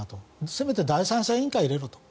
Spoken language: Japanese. せめて第三者委員会を入れろと。